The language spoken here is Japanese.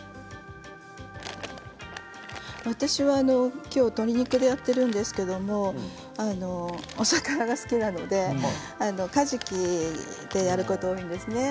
私は鶏肉をやってるんですけれどもお魚が好きなのでかじきでやることが多いですね。